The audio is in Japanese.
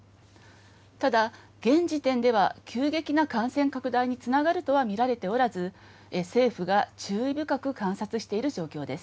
ただ、現時点では急激な感染拡大につながるとは見られておらず、政府が注意深く観察している状況です。